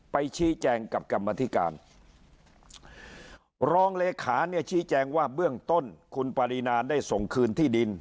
ไปชี้แจงกับกรรมธิการรองเลขาเนี่ยชี้แจงว่าเบื้องต้นคุณปรินาได้ส่งคืนที่ดิน